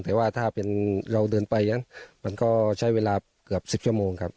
แต่ว่าถ้าเป็นเราเดินไปนั้นมันก็ใช้เวลาเกือบ๑๐ชั่วโมงครับ